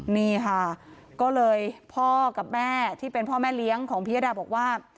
นี่ค่ะก็เลยพ่อกับแม่ที่เป็นพ่อแม่เลี้ยงของพิยดาบอกว่า